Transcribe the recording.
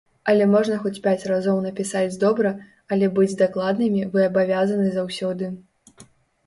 Але можна хоць пяць разоў напісаць добра, але быць дакладнымі вы абавязаны заўсёды.